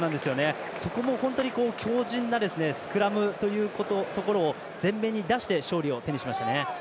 そこも本当に強じんなスクラムというところを前面に出して勝利をしましたね。